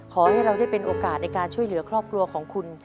ขอให้เราได้เป็นโอกาสในการช่วยเหลือครอบครัวของคุณ